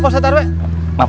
sudah saya jalan dulu pak